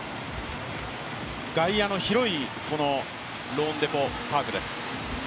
外野の広いローンデポ・パークです